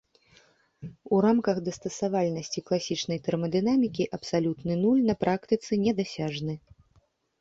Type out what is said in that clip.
У рамках дастасавальнасці класічнай тэрмадынамікі абсалютны нуль на практыцы недасяжны.